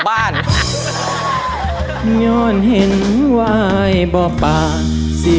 สรุปแล้ว